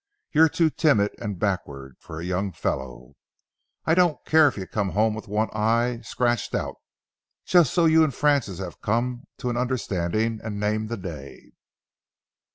You're too timid and backward for a young fellow. I don't care if you come home with one eye scratched out, just so you and Frances have come to an understanding and named the day."